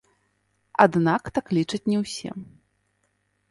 Аднак так лічаць не ўсе.